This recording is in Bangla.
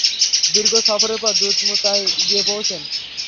দীর্ঘ সফরের পর দূত মুতায় গিয়ে পৌঁছেন।